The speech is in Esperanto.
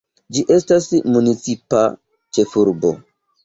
Ĝi estas municipa ĉefurbo.